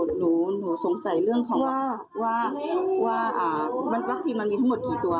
หนูสงสัยเรื่องของว่าวัคซีนมันมีทั้งหมดกี่ตัว